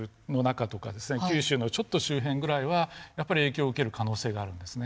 九州のちょっと周辺ぐらいはやっぱり影響を受ける可能性があるんですね。